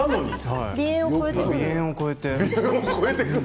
鼻炎を超えてくる。